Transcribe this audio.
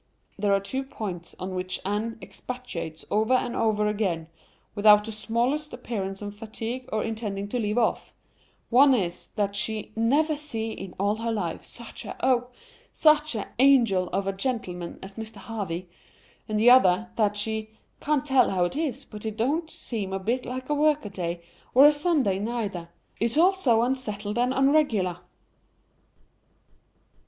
There are two points on which Anne expatiates over and over again, without the smallest appearance of fatigue or intending to leave off; one is, that she 'never see in all her life such a—oh such a angel of a gentleman as Mr. Harvey'—and the other, that she 'can't tell how it is, but it don't seem a bit like a work a day, or a Sunday neither—it's all so unsettled and unregular.